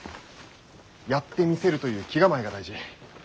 やってみせるという気構えが大事。